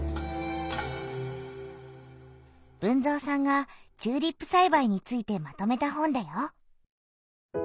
豊造さんがチューリップさいばいについてまとめた本だよ。